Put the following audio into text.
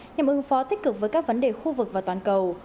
nhằm ứng phó tích cực với các vấn đề khu vực và toàn cầu